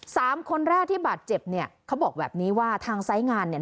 สามคนแรกที่บาดเจ็บเนี่ยเขาบอกแบบนี้ว่าทางไซส์งานเนี่ย